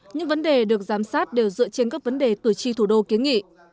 những vấn đề được giám sát đều dựa trên các vấn đề cử tri thủ đô kiến nghị